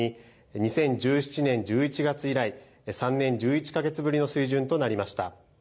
２０１７年１１月以来、３年１１か月ぶりの水準となりました。